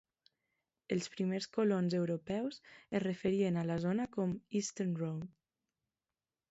Els primers colons europeus es referien a la zona com Eastern Road.